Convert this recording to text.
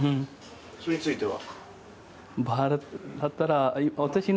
それについては？